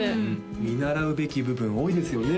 見習うべき部分多いですよね？